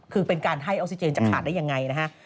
คือเป็นการให้ออกซิเจนจะขาดได้อย่างไร